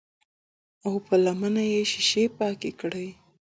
او پۀ لمنه يې شيشې پاکې کړې